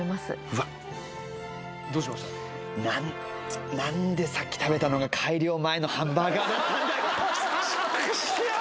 うわ何でさっき食べたのが改良前のハンバーガーだったんだよチクショー！